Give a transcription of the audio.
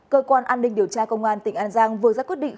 cơ quan an ninh điều tra công an tỉnh an giang vừa ra quyết định